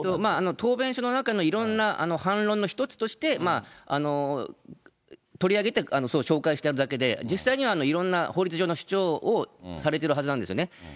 答弁書の中のいろんな反論の一つとして、取り上げて紹介しているだけで、実際にはいろんな法律上の主張をされてるはずなんですよね。